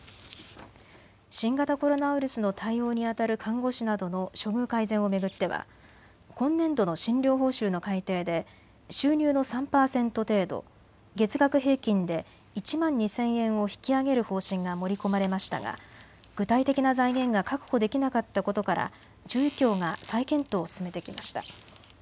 新型コロナウイルスの対応にあたる看護師などの処遇改善を巡っては今年度の診療報酬の改定で収入の３％程度、月額平均で１万２０００円を引き上げる方針が盛り込まれましたが具体的な財源が確保できなかったことから中医協が再検討を進めてきました。